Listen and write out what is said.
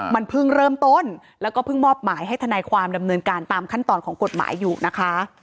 มันเพิ่งเริ่มต้นแล้วก็เพิ่งมอบหมายให้ทนายความดำเนินการตามขั้นตอนของกฎหมายอยู่นะคะ